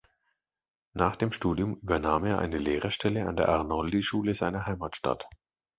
Nach dem Studium übernahm er eine Lehrerstelle an der Arnoldischule seiner Heimatstadt.